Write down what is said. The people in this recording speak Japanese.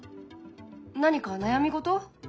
何か悩み事？